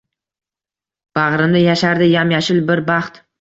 Bag‘rimda yashardi yam-yashil bir baxt.